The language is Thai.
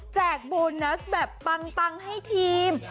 แจกโบนัสแบบปังปังให้ทีม